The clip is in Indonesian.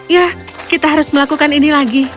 ya kita harus melakukan ini lagi